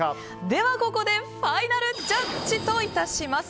ではここでファイナルジャッジといたします。